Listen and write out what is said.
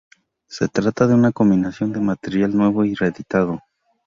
Se trata de una combinación de material nuevo y reeditado.